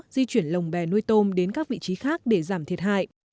di chuyển lồng bè nuôi tôm đến các vị trí khác để giảm thiệt hại